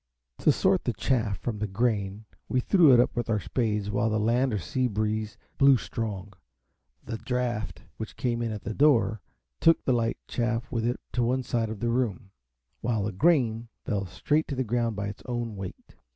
To sort the chaff from the grain we threw it up with our spades while the land or sea breeze blew strong. The draught which came in at the door took the light chaff with it to one side of the room, while the grain fell straight to the ground by its own weight.